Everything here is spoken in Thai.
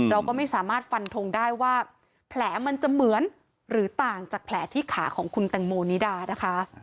เราก็ไม่สามารถฟันทงได้ว่าแผลมันจะเหมือนหรือต่างจากแผลที่ขาของคุณแตงโมนิดานะคะ